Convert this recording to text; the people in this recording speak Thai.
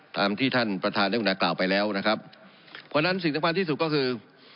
ตามที่ท่านประธานได้กุณากล่าวไปแล้วนะครับเพราะฉะนั้นสิ่งสำคัญที่สุดก็คือ